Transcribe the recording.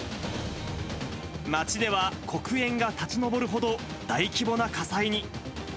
町では黒煙が立ち上るほど、大規模な火災に。